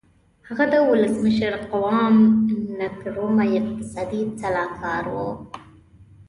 هغه د ولسمشر قوام نکرومه اقتصادي سلاکار و.